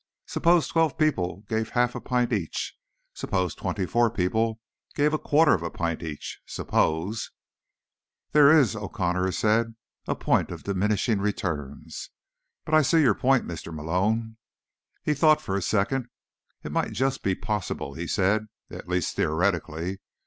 Suppose twelve people gave half a pint each. Suppose twenty four people gave a quarter of a pint each. Suppose—" "There is," O'Connor said, "a point of diminishing returns. But I do see your point, Mr. Malone." He thought for a second. "It might just be possible," he said. "At least theoretically.